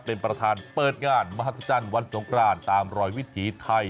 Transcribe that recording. เป็นประธานเปิดงานมหัศจรรย์วันสงครานตามรอยวิถีไทย